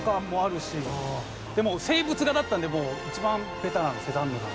でも静物画だったんでもう一番ベタなセザンヌが。